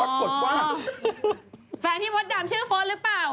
แฟนพี่โฟสดำชื่อโฟสรึเปล่า